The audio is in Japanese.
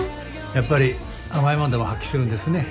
やっぱり甘い物でも発揮するんですね。